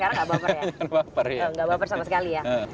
nggak baper sama sekali ya